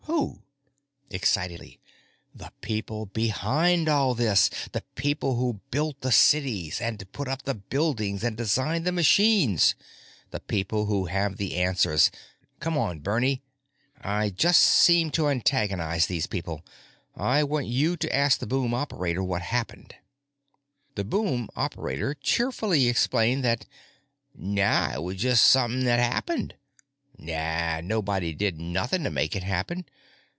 "Who?" Excitedly: "The people behind all this! The people who built the cities and put up the buildings and designed the machines. The people who have the answers! Come on, Bernie. I just seem to antagonize these people—I want you to ask the boom operator what happened." The boom operator cheerfully explained that nah, it was just somep'n that happened. Nah, nobody did nothin' to make it happen.